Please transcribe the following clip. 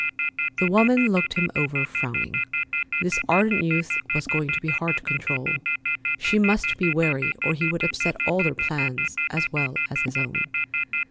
The woman looked him over, frowning. This ardent youth was going to be hard to control. She must be wary or he would upset all her plans, as well as his own.